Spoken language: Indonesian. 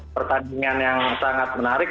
pertandingan yang sangat menarik